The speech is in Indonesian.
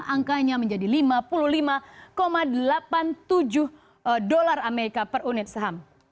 angkanya menjadi lima puluh lima delapan puluh tujuh dolar amerika per unit saham